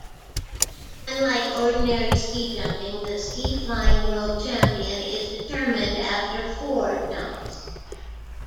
Unlike ordinary ski jumping, the Ski Flying World Champion is determined after four jumps.